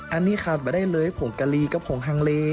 อันนี้ขาดมาได้เลยผงกะลีกับผงฮังเล